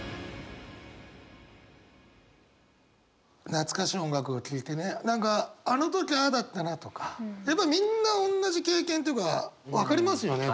懐かしい音楽を聴いてね何かあの時ああだったなとかやっぱりみんなおんなじ経験っていうか分かりますよね？